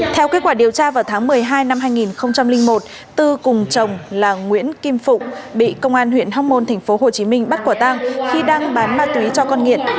theo kết quả điều tra vào tháng một mươi hai năm hai nghìn một tư cùng chồng là nguyễn kim phụng bị công an huyện hóc môn tp hcm bắt quả tang khi đang bán ma túy cho con nghiện